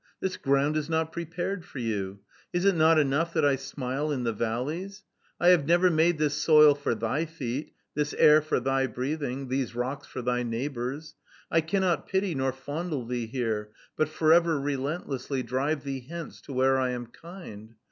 This ground is not prepared for you. Is it not enough that I smile in the valleys? I have never made this soil for thy feet, this air for thy breathing, these rocks for thy neighbors. I cannot pity nor fondle thee here, but forever relentlessly drive thee hence to where I am kind.